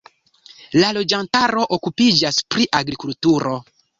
La loĝantaro okupiĝas pri agrikulturo.